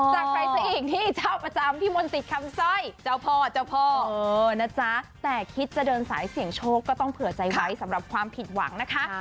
ใครซะอีกที่เจ้าประจำพี่มนตรีคำสร้อยเจ้าพ่อเจ้าพ่อนะจ๊ะแต่คิดจะเดินสายเสี่ยงโชคก็ต้องเผื่อใจไว้สำหรับความผิดหวังนะคะ